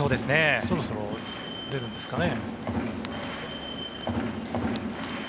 そろそろ出るんですかね。